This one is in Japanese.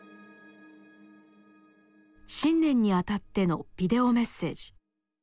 新年にあたってのビデオメッセージ。